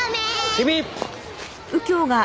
君！